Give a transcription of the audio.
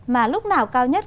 mà lúc nào cao nhất